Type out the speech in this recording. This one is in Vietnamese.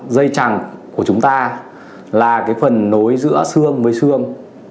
dây chẳng của chúng ta là cái phần nối giữa xương với xương